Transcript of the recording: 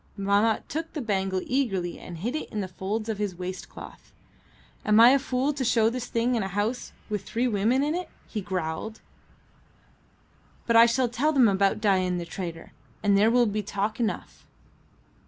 Mahmat took the bangle eagerly and hid it in the folds of his waist cloth. "Am I a fool to show this thing in a house with three women in it?" he growled. "But I shall tell them about Dain the trader, and there will be talk enough."